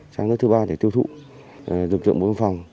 sang nước thứ ba để tiêu thụ dục dụng bộ phòng